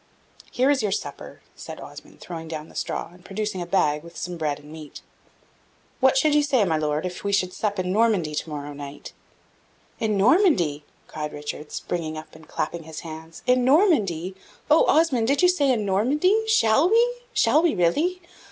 "Here is your supper," said Osmond, throwing down the straw, and producing a bag with some bread and meat. "What should you say, my Lord, if we should sup in Normandy to morrow night?" "In Normandy!" cried Richard, springing up and clapping his hands. "In Normandy! Oh, Osmond, did you say in Normandy? Shall we, shall we really?